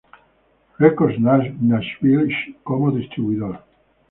Records Nashville como distribuidor.